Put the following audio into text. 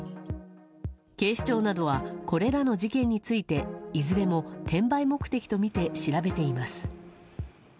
警視庁などはこれらの事件についていずれも転売目的とみて調べています。